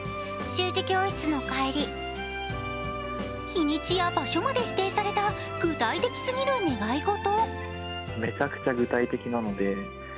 日にちや場所まで指定された具体的すぎる願い事。